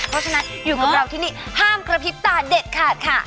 เพราะฉะนั้นอยู่กับเราที่นี่ห้ามกระพริบตาเด็ดขาดค่ะ